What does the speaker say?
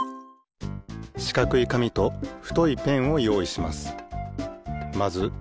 しかくいかみとふといペンをよういします。